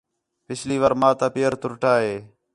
پِچھلی وار ماں تا پیر تُرُٹا ہے